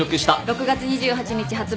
６月２８日発売